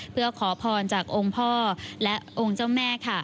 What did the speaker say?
เพื่อขอพรจากองค์พ่อและองค์เจ้าแม่ค่ะ